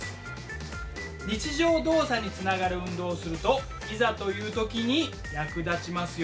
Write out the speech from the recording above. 日常動作につながる運動をするといざという時に役立ちますよ。